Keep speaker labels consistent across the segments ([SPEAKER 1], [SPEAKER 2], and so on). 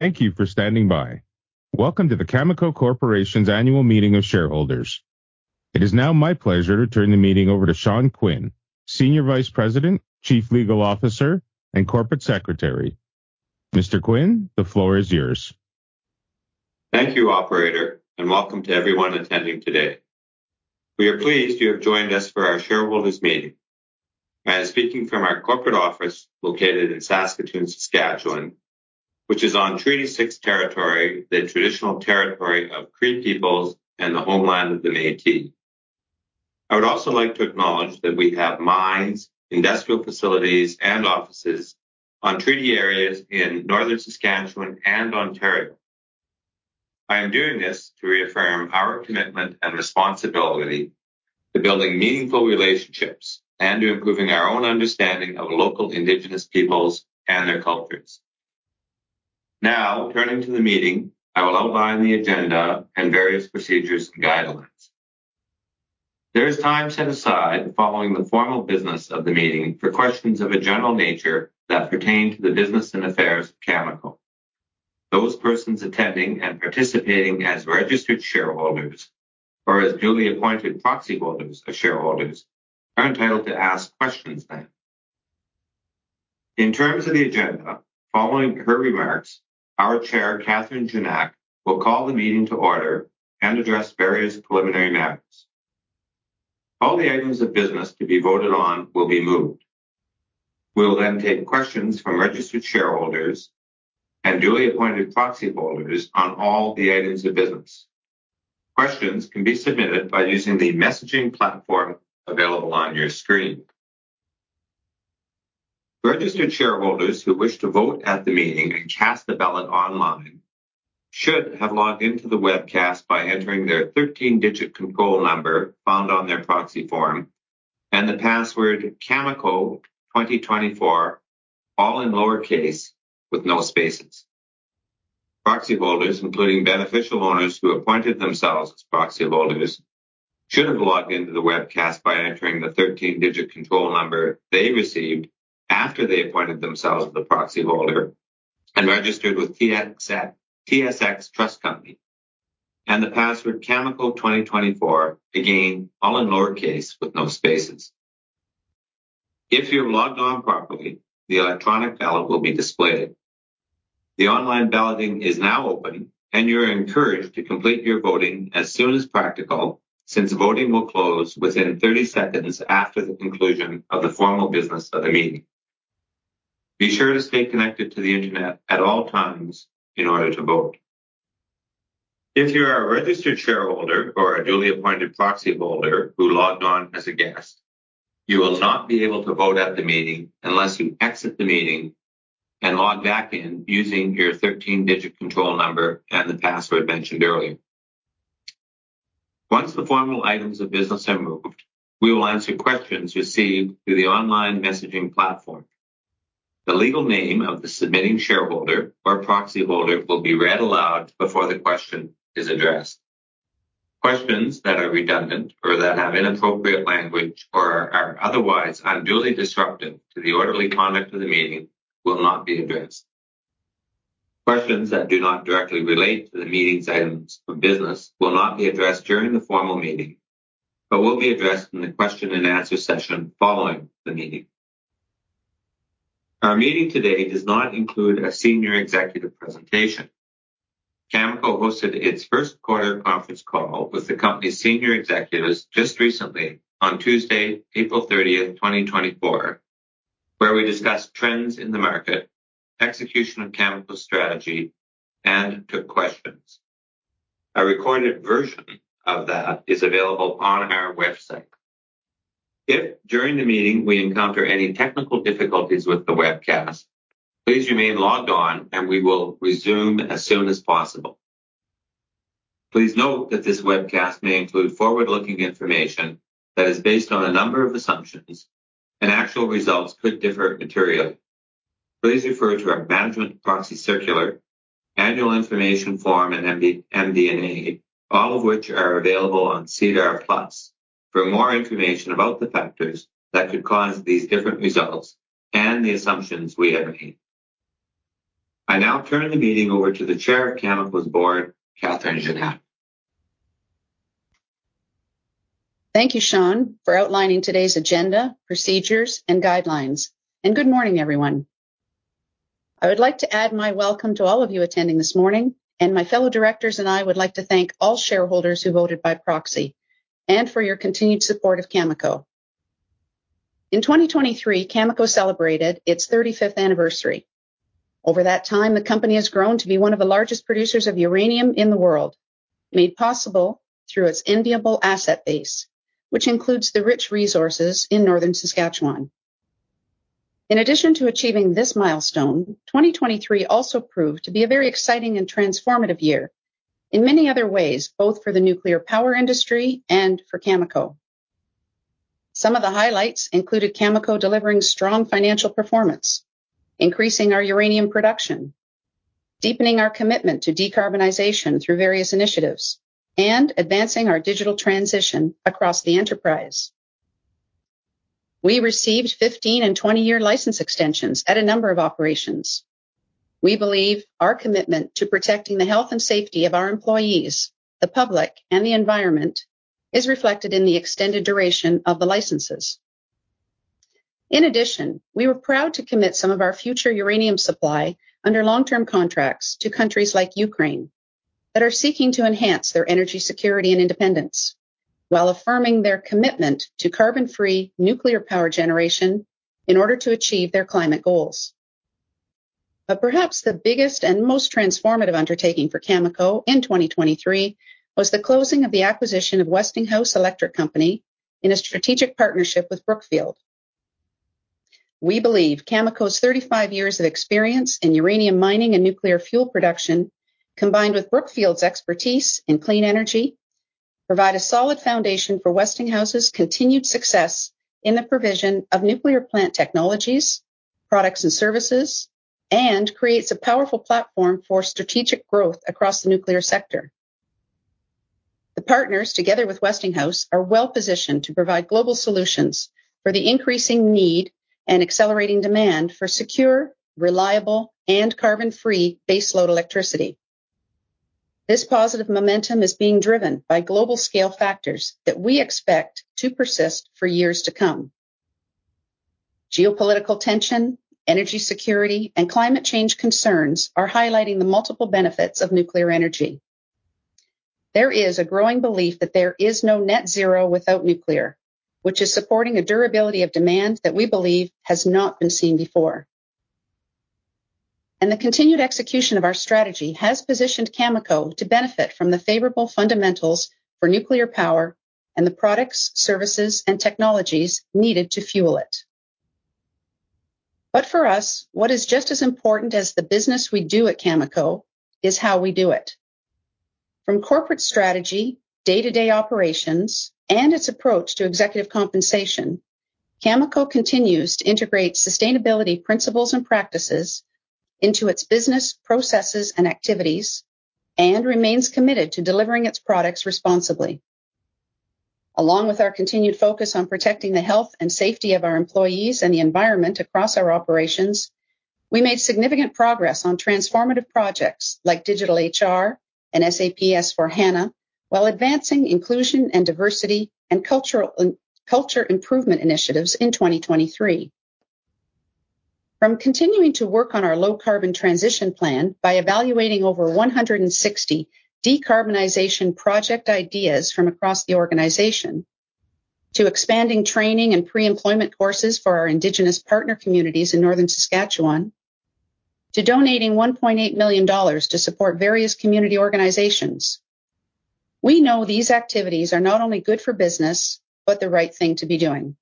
[SPEAKER 1] Thank you for standing by. Welcome to the Cameco Corporation's Annual Meeting of Shareholders. It is now my pleasure to turn the meeting over to Sean Quinn, Senior Vice President, Chief Legal Officer, and Corporate Secretary. Mr. Quinn, the floor is yours.
[SPEAKER 2] Thank you, Operator, and welcome to everyone attending today. We are pleased you have joined us for our shareholders' meeting. I am speaking from our corporate office located in Saskatoon, Saskatchewan, which is on Treaty six territory, the traditional territory of Cree peoples and the homeland of the Métis. I would also like to acknowledge that we have mines, industrial facilities, and offices on treaty areas in northern Saskatchewan and Ontario. I am doing this to reaffirm our commitment and responsibility to building meaningful relationships and to improving our own understanding of local Indigenous peoples and their cultures. Now, turning to the meeting, I will outline the agenda and various procedures and guidelines. There is time set aside following the formal business of the meeting for questions of a general nature that pertain to the business and affairs of Cameco. Those persons attending and participating as registered shareholders or as duly appointed proxyholders of shareholders are entitled to ask questions then. In terms of the agenda, following her remarks, our Chair, Catherine Gignac, will call the meeting to order and address various preliminary matters. All the items of business to be voted on will be moved. We will then take questions from registered shareholders and duly appointed proxyholders on all the items of business. Questions can be submitted by using the messaging platform available on your screen. Registered shareholders who wish to vote at the meeting and cast the ballot online should have logged into the webcast by entering their 13-digit control number found on their proxy form and the password cameco2024, all in lowercase with no spaces. Proxyholders, including beneficial owners who appointed themselves as proxyholders, should have logged into the webcast by entering the 13-digit control number they received after they appointed themselves as a proxyholder and registered with TSX Trust Company, and the password cameco2024, again, all in lowercase with no spaces. If you're logged on properly, the electronic ballot will be displayed. The online balloting is now open, and you're encouraged to complete your voting as soon as practical, since voting will close within 30 seconds after the conclusion of the formal business of the meeting. Be sure to stay connected to the internet at all times in order to vote. If you are a registered shareholder or a duly appointed proxyholder who logged on as a guest, you will not be able to vote at the meeting unless you exit the meeting and log back in using your 13-digit control number and the password mentioned earlier. Once the formal items of business are moved, we will answer questions received through the online messaging platform. The legal name of the submitting shareholder or proxyholder will be read aloud before the question is addressed. Questions that are redundant or that have inappropriate language or are otherwise unduly disruptive to the orderly conduct of the meeting will not be addressed. Questions that do not directly relate to the meeting's items of business will not be addressed during the formal meeting, but will be addressed in the Q&A session following the meeting. Our meeting today does not include a senior executive presentation. Cameco hosted its first quarter conference call with the company's senior executives just recently on Tuesday, April 30th, 2024, where we discussed trends in the market, execution of Cameco's strategy, and took questions. A recorded version of that is available on our website. If during the meeting we encounter any technical difficulties with the webcast, please remain logged on, and we will resume as soon as possible. Please note that this webcast may include forward-looking information that is based on a number of assumptions, and actual results could differ materially. Please refer to our Management Proxy Circular, Annual Information Form, and MD&A, all of which are available on SEDAR+ for more information about the factors that could cause these different results and the assumptions we have made. I now turn the meeting over to the Chair of Cameco's Board, Catherine Gignac.
[SPEAKER 3] Thank you, Sean, for outlining today's agenda, procedures, and guidelines. Good morning, everyone. I would like to add my welcome to all of you attending this morning, and my fellow directors and I would like to thank all shareholders who voted by proxy and for your continued support of Cameco. In 2023, Cameco celebrated its 35th anniversary. Over that time, the company has grown to be one of the largest producers of uranium in the world, made possible through its enviable asset base, which includes the rich resources in Northern Saskatchewan. In addition to achieving this milestone, 2023 also proved to be a very exciting and transformative year in many other ways, both for the nuclear power industry and for Cameco. Some of the highlights included Cameco delivering strong financial performance, increasing our uranium production, deepening our commitment to decarbonization through various initiatives, and advancing our digital transition across the enterprise. We received 15- and 20-year license extensions at a number of operations. We believe our commitment to protecting the health and safety of our employees, the public, and the environment is reflected in the extended duration of the licenses. In addition, we were proud to commit some of our future uranium supply under long-term contracts to countries like Ukraine that are seeking to enhance their energy security and independence while affirming their commitment to carbon-free nuclear power generation in order to achieve their climate goals. But perhaps the biggest and most transformative undertaking for Cameco in 2023 was the closing of the acquisition of Westinghouse Electric Company in a strategic partnership with Brookfield. We believe Cameco's 35 years of experience in uranium mining and nuclear fuel production, combined with Brookfield's expertise in clean energy, provide a solid foundation for Westinghouse's continued success in the provision of nuclear plant technologies, products, and services, and creates a powerful platform for strategic growth across the nuclear sector. The partners, together with Westinghouse, are well-positioned to provide global solutions for the increasing need and accelerating demand for secure, reliable, and carbon-free base-load electricity. This positive momentum is being driven by global-scale factors that we expect to persist for years to come. Geopolitical tension, energy security, and climate change concerns are highlighting the multiple benefits of nuclear energy. There is a growing belief that there is no net zero without nuclear, which is supporting a durability of demand that we believe has not been seen before. The continued execution of our strategy has positioned Cameco to benefit from the favorable fundamentals for nuclear power and the products, services, and technologies needed to fuel it. But for us, what is just as important as the business we do at Cameco is how we do it. From corporate strategy, day-to-day operations, and its approach to executive compensation, Cameco continues to integrate sustainability principles and practices into its business processes and activities and remains committed to delivering its products responsibly. Along with our continued focus on protecting the health and safety of our employees and the environment across our operations, we made significant progress on transformative projects like Digital HR and SAP S/4HANA while advancing inclusion and diversity and culture improvement initiatives in 2023. From continuing to work on our low-carbon transition plan by evaluating over 160 decarbonization project ideas from across the organization to expanding training and pre-employment courses for our Indigenous partner communities in Northern Saskatchewan to donating 1.8 million dollars to support various community organizations, we know these activities are not only good for business but the right thing to be doing.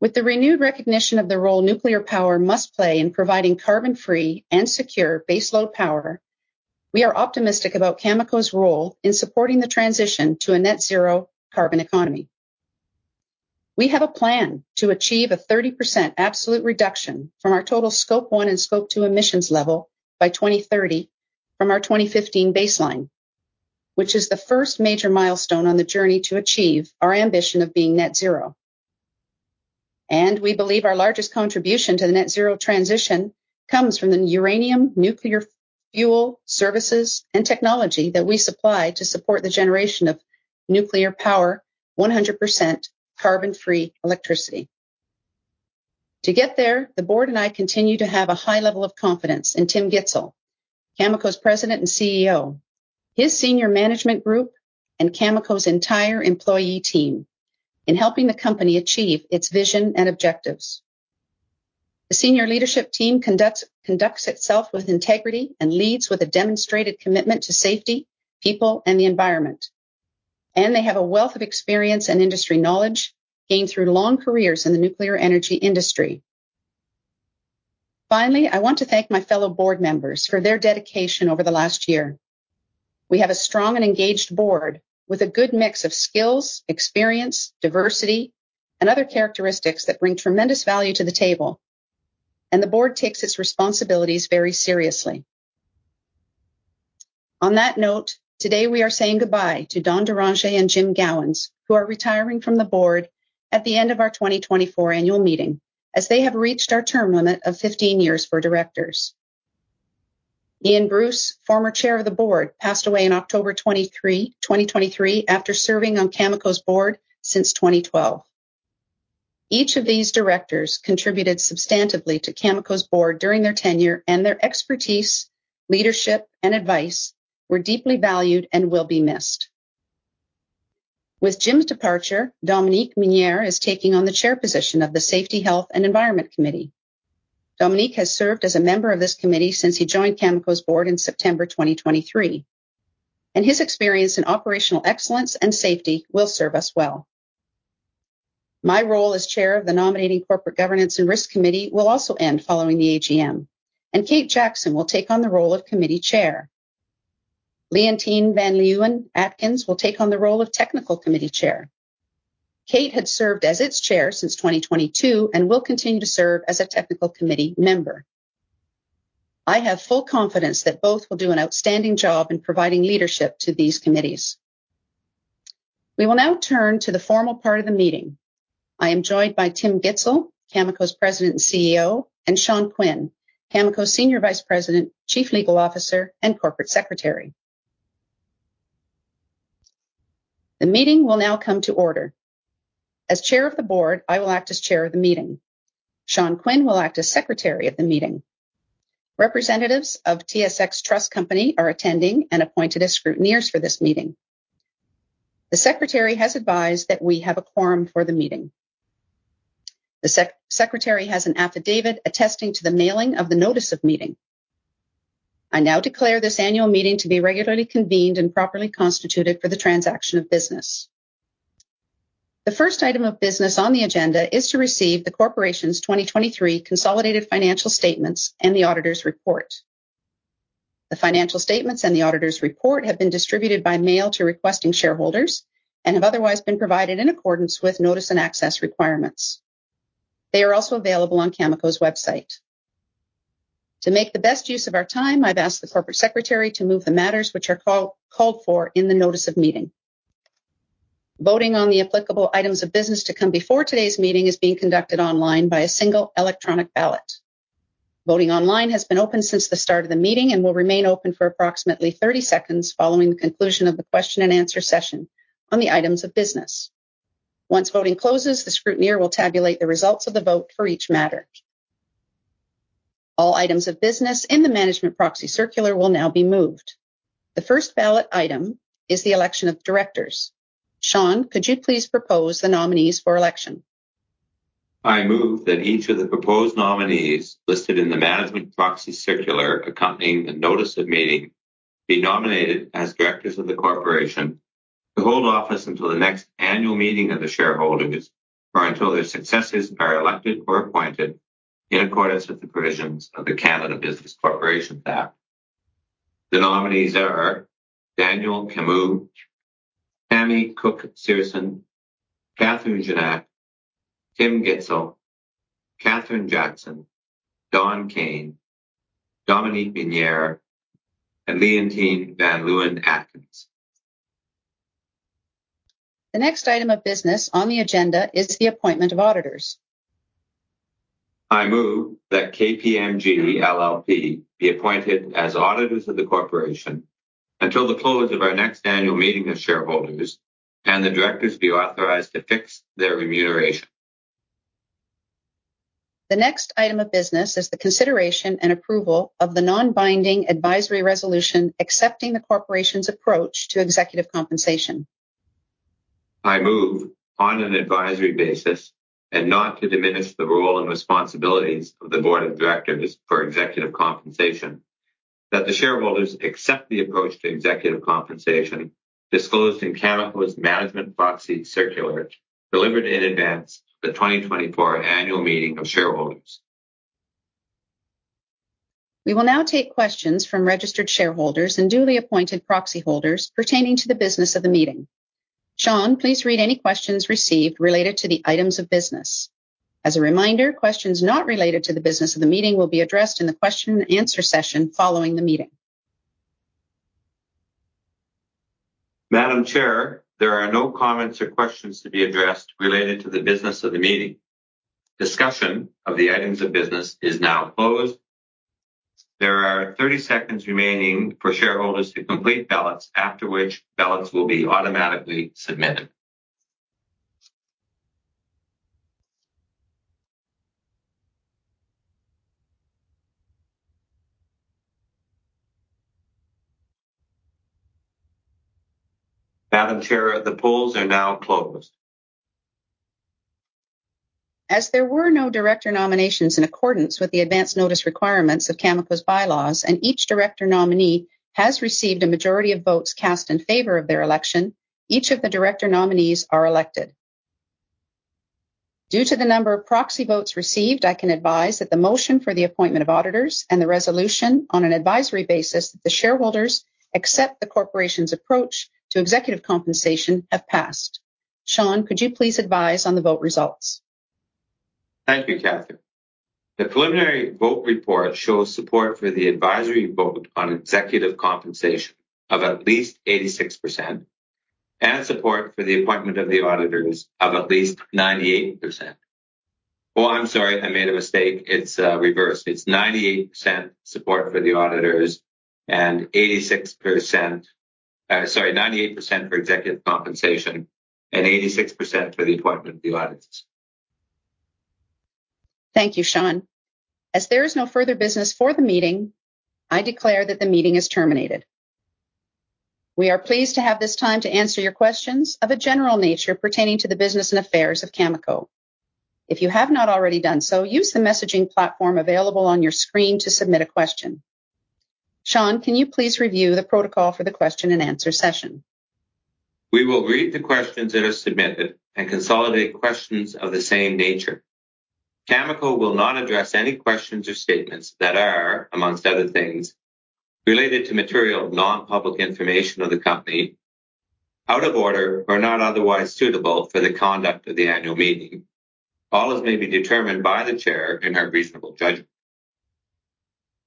[SPEAKER 3] With the renewed recognition of the role nuclear power must play in providing carbon-free and secure base-load power, we are optimistic about Cameco's role in supporting the transition to a net-zero carbon economy. We have a plan to achieve a 30% absolute reduction from our total Scope 1 and Scope 2 emissions level by 2030 from our 2015 baseline, which is the first major milestone on the journey to achieve our ambition of being net zero. We believe our largest contribution to the net-zero transition comes from the uranium nuclear fuel services and technology that we supply to support the generation of nuclear power, 100% carbon-free electricity. To get there, the board and I continue to have a high level of confidence in Tim Gitzel, Cameco's President and CEO, his senior management group, and Cameco's entire employee team in helping the company achieve its vision and objectives. The senior leadership team conducts itself with integrity and leads with a demonstrated commitment to safety, people, and the environment. And they have a wealth of experience and industry knowledge gained through long careers in the nuclear energy industry. Finally, I want to thank my fellow board members for their dedication over the last year. We have a strong and engaged board with a good mix of skills, experience, diversity, and other characteristics that bring tremendous value to the table. The board takes its responsibilities very seriously. On that note, today we are saying goodbye to Don Deranger and Jim Gowans, who are retiring from the board at the end of our 2024 annual meeting as they have reached our term limit of 15 years for directors. Ian Bruce, former Chair of the Board, passed away in October 2023, after serving on Cameco's board since 2012. Each of these directors contributed substantively to Cameco's board during their tenure, and their expertise, leadership, and advice were deeply valued and will be missed. With Jim's departure, Dominique Minière is taking on the chair position of the Safety, Health, and Environment Committee. Dominique has served as a member of this committee since he joined Cameco's board in September 2023. His experience in operational excellence and safety will serve us well. My role as Chair of the Nominating, Corporate Governance, and Risk Committee will also end following the AGM. Kate Jackson will take on the role of Committee Chair. Leontine van Leeuwen-Atkins will take on the role of Technical Committee Chair. Kate had served as its chair since 2022 and will continue to serve as a Technical Committee member. I have full confidence that both will do an outstanding job in providing leadership to these committees. We will now turn to the formal part of the meeting. I am joined by Tim Gitzel, Cameco's President and CEO, and Sean Quinn, Cameco's Senior Vice President, Chief Legal Officer, and Corporate Secretary. The meeting will now come to order. As Chair of the Board, I will act as Chair of the meeting. Sean Quinn will act as Secretary of the meeting. Representatives of TSX Trust Company are attending and appointed as scrutineers for this meeting. The Secretary has advised that we have a quorum for the meeting. The Secretary has an affidavit attesting to the mailing of the notice of meeting. I now declare this annual meeting to be regularly convened and properly constituted for the transaction of business. The first item of business on the agenda is to receive the corporation's 2023 consolidated financial statements and the auditor's report. The financial statements and the auditor's report have been distributed by mail to requesting shareholders and have otherwise been provided in accordance with notice and access requirements. They are also available on Cameco's website. To make the best use of our time, I've asked the Corporate Secretary to move the matters which are called for in the notice of meeting. Voting on the applicable items of business to come before today's meeting is being conducted online by a single electronic ballot. Voting online has been open since the start of the meeting and will remain open for approximately 30 seconds following the conclusion of the Q&A session on the items of business. Once voting closes, the scrutineer will tabulate the results of the vote for each matter. All items of business in the Management Proxy Circular will now be moved. The first ballot item is the election of directors. Sean, could you please propose the nominees for election?
[SPEAKER 2] I move that each of the proposed nominees listed in the Management Proxy Circular accompanying the notice of meeting be nominated as directors of the corporation to hold office until the next annual meeting of the shareholders or until their successors are elected or appointed in accordance with the provisions of the Canada Business Corporations Act. The nominees are Daniel Camus, Tammy Cook-Searson, Catherine Gignac, Tim Gitzel, Kathryn Jackson, Don Kayne, Dominique Minière, and Leontine van Leeuwen-Atkins.
[SPEAKER 3] The next item of business on the agenda is the appointment of auditors.
[SPEAKER 2] I move that KPMG LLP be appointed as auditors of the corporation until the close of our next annual meeting of shareholders and the directors be authorized to fix their remuneration.
[SPEAKER 3] The next item of business is the consideration and approval of the non-binding advisory resolution accepting the corporation's approach to executive compensation.
[SPEAKER 2] I move, on an advisory basis and not to diminish the role and responsibilities of the board of directors for executive compensation, that the shareholders accept the approach to executive compensation disclosed in Cameco's Management Proxy Circular delivered in advance of the 2024 annual meeting of shareholders.
[SPEAKER 3] We will now take questions from registered shareholders and duly appointed proxy holders pertaining to the business of the meeting. Sean, please read any questions received related to the items of business. As a reminder, questions not related to the business of the meeting will be addressed in the Q&A session following the meeting.
[SPEAKER 2] Madam Chair, there are no comments or questions to be addressed related to the business of the meeting. Discussion of the items of business is now closed. There are 30 seconds remaining for shareholders to complete ballots, after which ballots will be automatically submitted. Madam Chair, the polls are now closed.
[SPEAKER 3] As there were no director nominations in accordance with the advance notice requirements of Cameco's bylaws, and each director nominee has received a majority of votes cast in favor of their election, each of the director nominees are elected. Due to the number of proxy votes received, I can advise that the motion for the appointment of auditors and the resolution on an advisory basis that the shareholders accept the corporation's approach to executive compensation have passed. Sean, could you please advise on the vote results?
[SPEAKER 2] Thank you, Catherine. The preliminary vote report shows support for the advisory vote on executive compensation of at least 86% and support for the appointment of the auditors of at least 98%. Oh, I'm sorry. I made a mistake. It's reversed. It's 98% support for the auditors and 86% sorry, 98% for executive compensation and 86% for the appointment of the auditors.
[SPEAKER 3] Thank you, Sean. As there is no further business for the meeting, I declare that the meeting is terminated. We are pleased to have this time to answer your questions of a general nature pertaining to the business and affairs of Cameco. If you have not already done so, use the messaging platform available on your screen to submit a question. Sean, can you please review the protocol for the Q&A session?
[SPEAKER 2] We will read the questions that are submitted and consolidate questions of the same nature. Cameco will not address any questions or statements that are, among other things, related to material non-public information of the company out of order or not otherwise suitable for the conduct of the annual meeting, all as may be determined by the Chair and her reasonable judgment.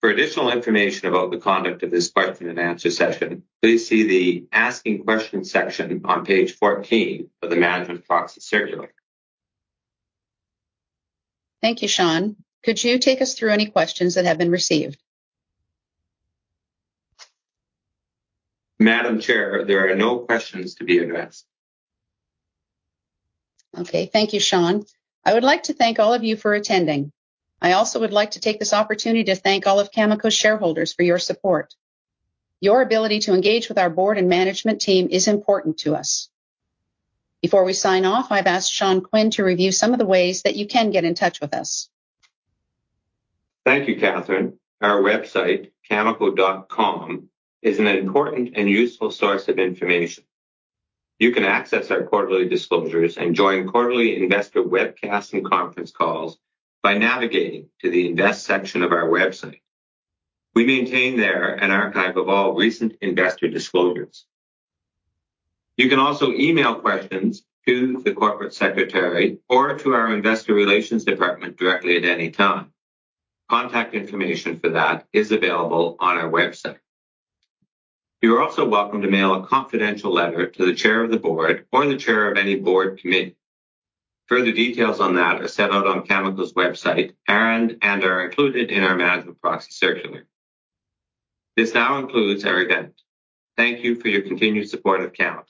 [SPEAKER 2] For additional information about the conduct of this Q&A session, please see the Asking Questions section on page 14 of the Management Proxy Circular.
[SPEAKER 3] Thank you, Sean. Could you take us through any questions that have been received?
[SPEAKER 2] Madam Chair, there are no questions to be addressed.
[SPEAKER 3] Okay. Thank you, Sean. I would like to thank all of you for attending. I also would like to take this opportunity to thank all of Cameco's shareholders for your support. Your ability to engage with our board and management team is important to us. Before we sign off, I've asked Sean Quinn to review some of the ways that you can get in touch with us.
[SPEAKER 2] Thank you, Catherine. Our website, Cameco.com, is an important and useful source of information. You can access our quarterly disclosures and join quarterly investor webcasts and conference calls by navigating to the Invest section of our website. We maintain there an archive of all recent investor disclosures. You can also email questions to the Corporate Secretary or to our Investor Relations Department directly at any time. Contact information for that is available on our website. You are also welcome to mail a confidential letter to the Chair of the Board or the Chair of any board committee. Further details on that are set out on Cameco's website and are included in our Management Proxy Circular. This now includes our event. Thank you for your continued support of Cameco.